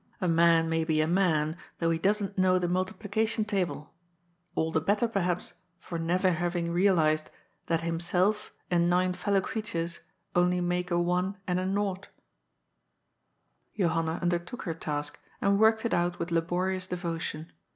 A man may be a man, though he doesn't know the multiplication table, all the better, perhaps, for never having realized that himself and nine fellow creatures only make a I and a Nought" Johanna undertook her task and worked it out with laborious devotion.